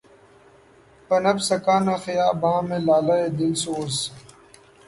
پنپ سکا نہ خیاباں میں لالۂ دل سوز